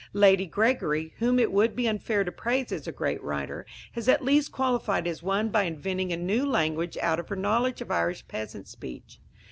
Lady Gregory, whom it would be unfair to praise as a great writer, has at least qualified as one by inventing a new language out of her knowledge of Irish peasant speech.